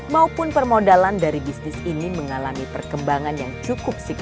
maupun permodalan dari bisnis ini mengalami perkembangan yang cukup signifikan